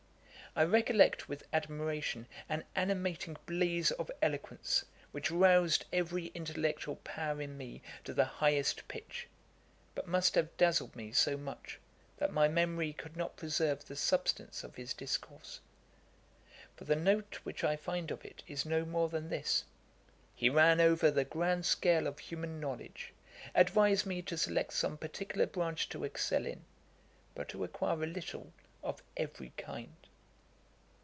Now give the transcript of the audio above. I recollect with admiration an animating blaze of eloquence, which rouzed every intellectual power in me to the highest pitch, but must have dazzled me so much, that my memory could not preserve the substance of his discourse; for the note which I find of it is no more than this: 'He ran over the grand scale of human knowledge; advised me to select some particular branch to excel in, but to acquire a little of every kind.'